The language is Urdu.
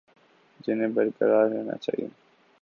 جنہیں برقرار رہنا چاہیے